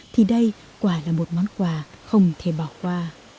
thì đây quả là một món quà không thể bỏ qua